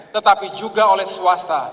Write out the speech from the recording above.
tetapi juga oleh swasta